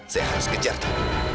saya harus kejar dia